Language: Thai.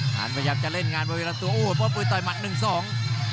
หานพยายามจะเล่นงานบริเวณตัวป้อมปืนต่อยหมัดหนึ่งสอง